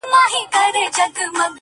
پر موږ همېش یاره صرف دا رحم جهان کړی دی.